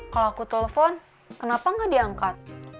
kalau aku telepon kenapa gak diangkat